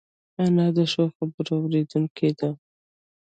انا د ښو خبرو اورېدونکې ده